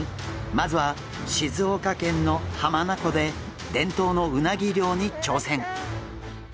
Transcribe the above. まずは静岡県の浜名湖で伝統のうなぎ漁に挑戦。